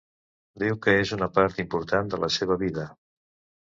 Diu que és una part important de la seva vida.